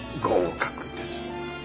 合格です。